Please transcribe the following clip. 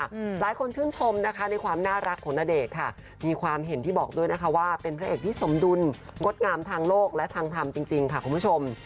หลายคนชื่นชมนะคะในความน่ารักของณเดชน์ค่ะมีความเห็นที่บอกด้วยนะคะว่าเป็นพระเอกที่สมดุลงดงามทางโลกและทางธรรมจริงจริงค่ะคุณผู้ชม